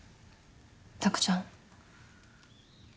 拓ちゃん。